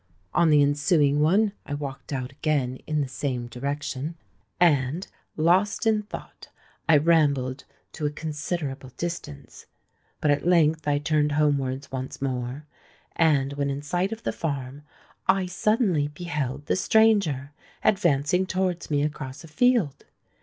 On the ensuing one I walked out again in the same direction; and, lost in thought, I rambled to a considerable distance. But at length I turned homewards once more; and when in sight of the farm, I suddenly beheld the stranger advancing towards me across a field.